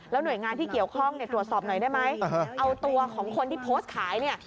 หน่วยงานที่เกี่ยวข้องเนี่ยตรวจสอบหน่อยได้ไหมเอาตัวของคนที่โพสต์ขายเนี่ย